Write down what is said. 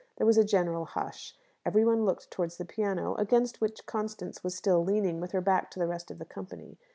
There was a general hush. Every one looked towards the piano, against which Constance was still leaning, with her back to the rest of the company.